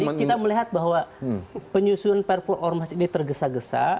tapi kita melihat bahwa penyusun perpu ormas ini tergesa gesa